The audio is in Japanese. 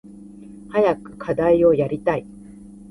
早く課題をやりたい。